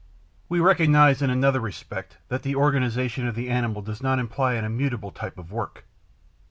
We recognize in another respect that the organization of the animal does not imply an immutable type of work.